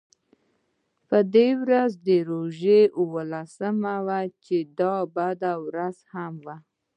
په دې ورځ د روژې اوولسمه وه چې د بدر ورځ هم وه.